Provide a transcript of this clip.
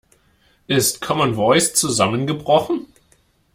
Ist Commen Voice zusammengebrochen?